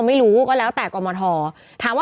อ่าอ่าอ่าอ่า